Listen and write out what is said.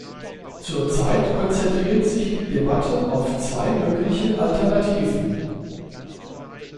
Zur Zeit konzentriert sich die Debatte auf zwei mögliche Alternativen.